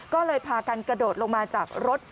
ก็เลยพากันกระโดดลงมาจากรถ